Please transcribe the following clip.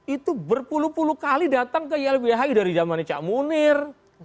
itu berpuluh puluh kali datang ke ylbhi dari zaman cak munir